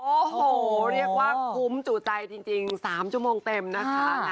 โอ้โหเรียกว่าคุ้มจู่ใจจริง๓ชั่วโมงเต็มนะคะ